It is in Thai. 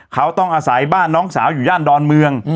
เขาต้องอาศัยบ้านน้องสาวอยู่ย่านดอนเมือง